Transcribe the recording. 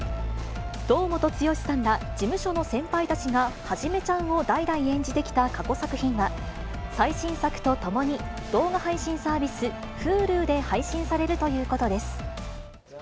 堂本剛さんら事務所の先輩たちが一ちゃんを代々演じてきた、過去作品は、最新作と共に動画配信サービス、Ｈｕｌｕで配信されるということです。